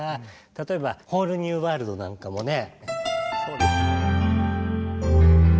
例えば「ホール・ニュー・ワールド」なんかもね。